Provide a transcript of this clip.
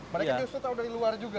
mereka justru tahu dari luar juga